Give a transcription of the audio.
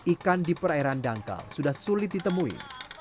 ikan di perairan dangkal sudah sulit ditemui